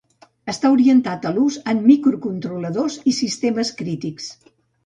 Està orientat a l'ús en microcontroladors i sistemes crítics.